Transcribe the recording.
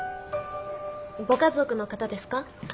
ご家族の方ですか？